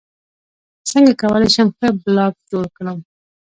څنګه کولی شم ښه بلاګ جوړ کړم